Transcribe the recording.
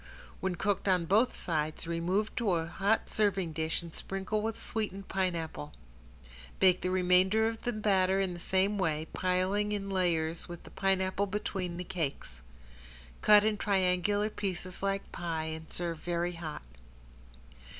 When cooked on both sides remove to a hot serving dish and sprinkle with sweetened pineapple. Bake the remainder of batter in the same way, piling in layers with the pineapple between the cakes. Cut in triangular pieces like pie and serve very hot.